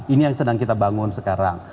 ini yang sedang kita bangun sekarang